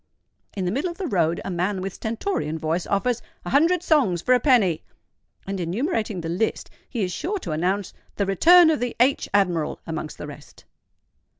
In the middle of the road a man with stentorian voice offers "A hundred songs for a penny;" and, enumerating the list, he is sure to announce the "Return of the _H_admiral" amongst the rest.